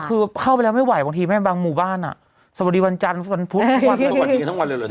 แต่คือเข้าไปแล้วไม่ไหวบางทีแม่งบางหมู่บ้านอ่ะสวัสดีวันจันทร์สวัสดีวันพุธสวัสดีกันทั้งวันเลยหรือ